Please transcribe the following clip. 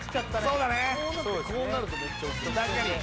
そうだね